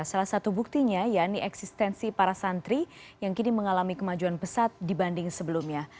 salah satu buktinya ya ini eksistensi para santri yang kini mengalami kemajuan pesat dibanding sebelumnya